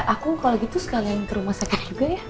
aku kalau gitu sekalian ke rumah sakit juga ya